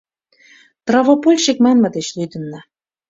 Травопольщик манме деч лӱдынна.